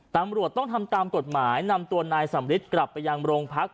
ตำรวจต้องทำตามกฎหมายนำตัวนายสำริทกลับไปยังโรงพัก